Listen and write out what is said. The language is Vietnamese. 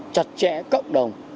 chặt chẽ cộng đồng